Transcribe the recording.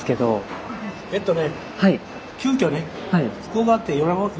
えっとね